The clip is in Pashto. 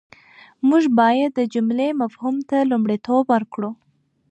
موږ بايد د جملې مفهوم ته لومړیتوب ورکړو.